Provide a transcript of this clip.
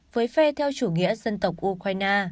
với phe theo chủ nghĩa dân tộc ukraine